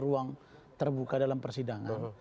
ruang terbuka dalam persidangan